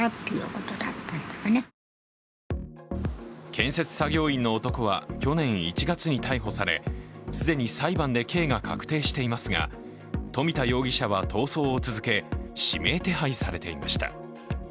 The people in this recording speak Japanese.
建設作業員の男は去年１月に逮捕され既に裁判で刑が確定していますが、富田容疑者は逃走を続け、指名手配されていました。